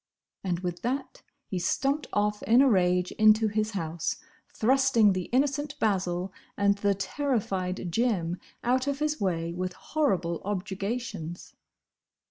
And with that he stumped off in a rage into his house, thrusting the innocent Basil and the terrified Jim out of his way with horrible objurgations.